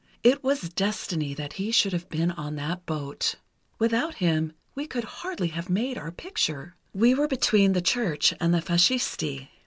It was destiny that he should have been on that boat. Without him, we could hardly have made our picture. We were between the Church and the Fascisti.